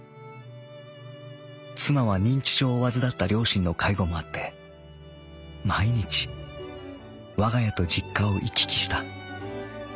妻は認知症を患った両親の介護もあって毎日我が家と実家を行き来した。